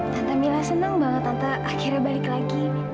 tante mila senang banget tata akhirnya balik lagi